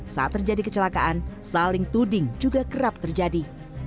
saat terjadi kecelakaan saling tuding juga kerap terjadi